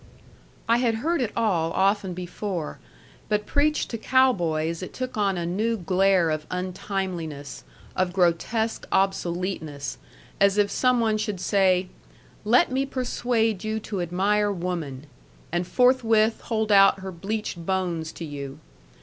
I had heard it all often before; but preached to cow boys it took on a new glare of untimeliness, of grotesque obsoleteness as if some one should say, "Let me persuade you to admire woman," and forthwith hold out her bleached bones to you.